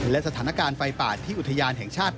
และสถานการณ์ไฟป่าที่อุทยานแห่งชาติ